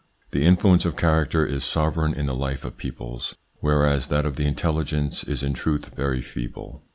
The influence of character is sovereign in the life of peoples, whereas that of the intelligence is in truth very feeble.